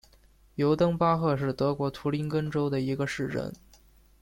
尤登巴赫是德国图林根州的一个市镇。